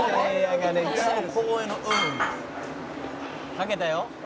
「かけたよ」